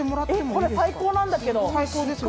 これ最高なんだけど。